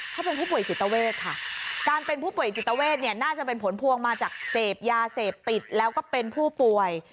เขาเป็นผู้ป่วยจิตเวทค่ะการเป็นผู้ป่วยจิตเวทเนี่ยน่าจะเป็นผลพวงมาจากเสพยาเสพติดแล้วก็เป็นผู้ป่วย